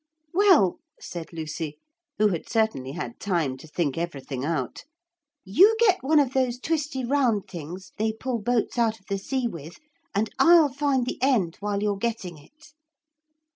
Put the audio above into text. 'Well,' said Lucy, who had certainly had time to think everything out, 'you get one of those twisty round things they pull boats out of the sea with, and I'll find the end while you're getting it.'